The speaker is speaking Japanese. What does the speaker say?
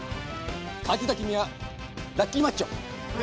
勝てた君はラッキーマッチョ！